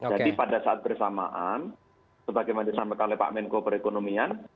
jadi pada saat bersamaan sebagaimana disampaikan oleh pak menko perekonomian